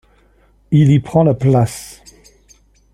Il y prend la place.